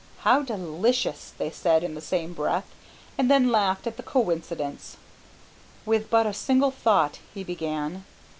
"How delicious!" they said in the same breath, and then laughed at the coincidence. "With but a single thought," he began.